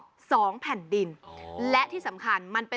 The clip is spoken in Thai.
แก้ปัญหาผมร่วงล้านบาท